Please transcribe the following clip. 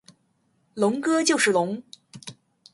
龙哥就是龙！